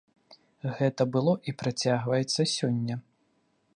Гэта было і працягваецца сёння.